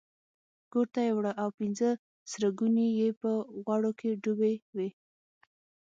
کورته یې وړه او پنځه سره ګوني یې په غوړو کې ډوبې وې.